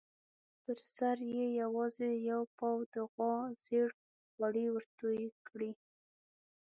پر سر یې یوازې یو پاو د غوا زېړ غوړي ورتوی کړي.